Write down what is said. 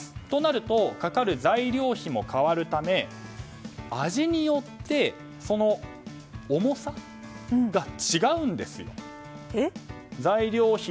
となると、かかる材料費も変わるため、味によって重さが違うんですよ。